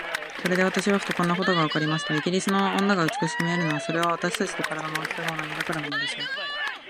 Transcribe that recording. それで私はふと、こんなことがわかりました。イギリスの女が美しく見えるのは、それは私たちと身体の大きさが同じだからなのでしょう。